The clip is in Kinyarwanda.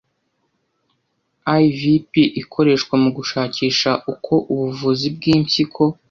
IVP ikoreshwa mugushakisha uko ubuvuzi bwimpyiko